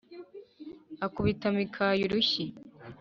akubita Mikaya urushyi